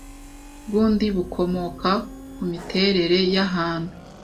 bw undi bukomoka ku miterere y ahantu